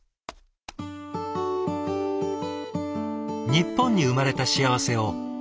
日本に生まれた幸せを頬張ろう。